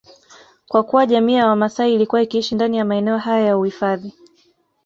Kwa kuwa jamii ya wamaasai ilikuwa ikiishi ndani ya maeneo haya ya uhifadhi